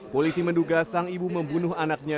polisi menduga sang ibu membunuh anaknya